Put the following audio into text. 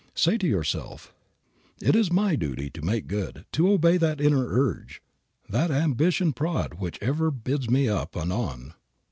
Say to yourself, "It is my duty to make good, to obey that inner urge, that ambition prod which ever bids me up and on.